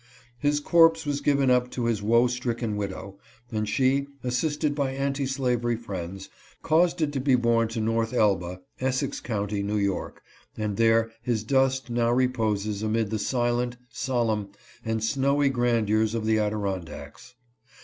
His corpse was given up to his woe stricken widow, and she, assisted by anti slavery friends, caused it to be borne to North Elba, Essex county, N. Y., and there his dust now reposes amid the silent, solemn, and snowy grandeurs of the Adirondacks.